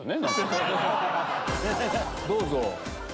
どうぞ。